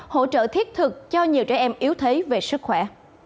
hỗ trợ thiết thực cho nhiều trẻ em yếu thế về sức khỏe